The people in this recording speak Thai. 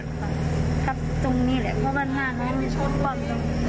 ออกมาเปรี้ยว